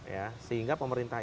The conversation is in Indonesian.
ya sehingga pemerintah